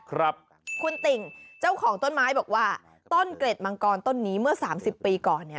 คุณติ่งเจ้าของต้นไม้บอกว่าต้นเกร็ดมังกรต้นนี้เมื่อ๓๐ปีก่อนเนี่ย